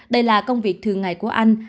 đây là công việc thường ngày của anh